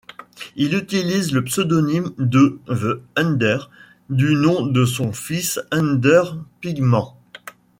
Il utilise le pseudonyme de The Ender, du nom de son fils Ender Pigmans.